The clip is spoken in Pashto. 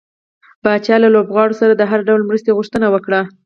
پاچا له لوبغاړو سره د هر ډول مرستې غوښتنه وکړه .